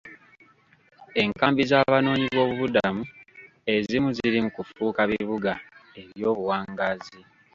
Enkambi z'Abanoonyi boobubudamu ezimu ziri mu kufuuka bibuga eby'obuwangaazi.